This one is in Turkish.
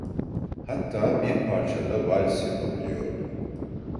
Hatta bir parça da vals yapabiliyordum.